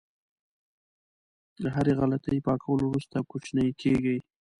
د هرې غلطۍ پاکولو وروسته کوچنی کېږي.